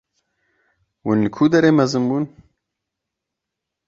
Hûn li ku derê mezin bûn?